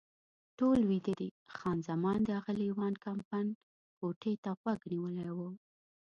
ټول ویده دي، خان زمان د اغلې وان کمپن کوټې ته غوږ نیولی و.